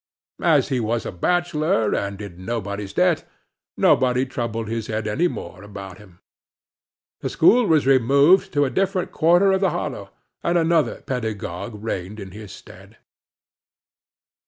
As he was a bachelor, and in nobody's debt, nobody troubled his head any more about him; the school was removed to a different quarter of the hollow, and another pedagogue reigned in his stead.